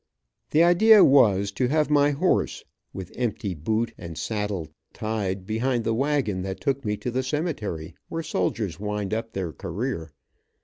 The idea was to have my horse, with empty boot and saddle tied behind the wagon that took me to the cemetery where soldiers wind up their career.